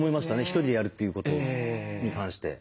ひとりでやるっていうことに関して。